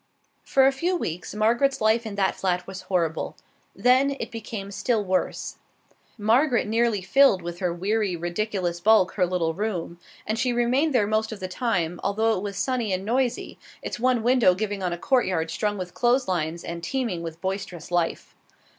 For a few weeks Margaret's life in that flat was horrible; then it became still worse. Margaret nearly filled with her weary, ridiculous bulk her little room, and she remained there most of the time, although it was sunny and noisy, its one window giving on a courtyard strung with clothes lines and teeming with boisterous life.